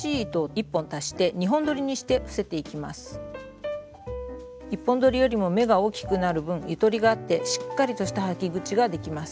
１本どりよりも目が大きくなる分ゆとりがあってしっかりとした履き口ができます。